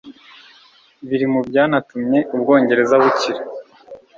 biri mu byanatumye u Bwongereza bukira